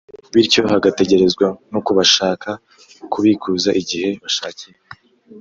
bityo hagatekerezwa no ku bashaka kubikuza igihe bashakiye